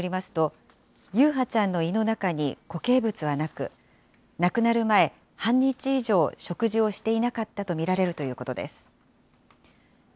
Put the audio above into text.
また、捜査関係者によりますと、優陽ちゃんの胃の中に固形物はなく、亡くなる前半日以上、食事をしていなかったと見られるということです。